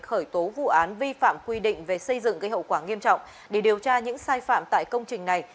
khởi tố vụ án vi phạm quy định về xây dựng gây hậu quả nghiêm trọng để điều tra những sai phạm tại công trình này